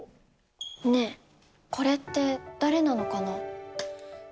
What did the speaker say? ねえ、これって誰なのかな。